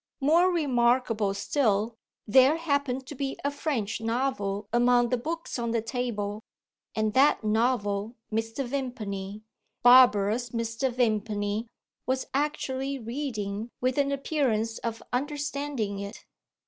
More remarkable still, there happened to be a French novel among the books on the table and that novel Mr. Vimpany, barbarous Mr. Vimpany, was actually reading with an appearance of understanding it!